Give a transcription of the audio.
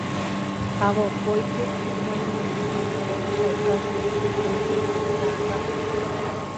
ha vokóike g̃uaig̃uimi ohechaukákuri chupe peteĩ ta'ãnga